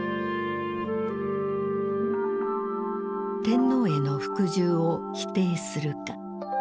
「天皇への服従を否定するか」。